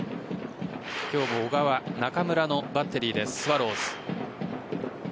今日も小川・中村のバッテリーです、スワローズ。